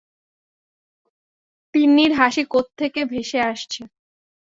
তিন্নির হাসি কোথেকে ভেসে আসছে?